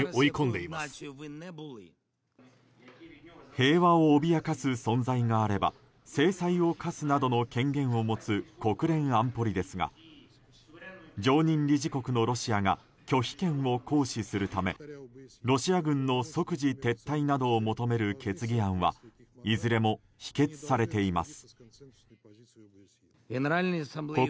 平和を脅かす存在があれば制裁を科すなどの権限を持つ国連安保理ですが、常任理事国のロシアが拒否権を行使するためロシア軍の即時撤退などを求める決議案はいずれも否決されています。